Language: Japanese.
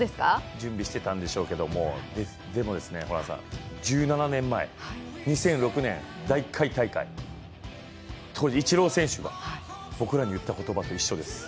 準備してたんでしょうけど、でも１７年前、２００６年、第１回大会、当時イチロー選手が僕らに言った言葉と一緒です。